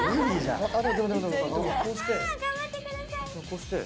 こうして。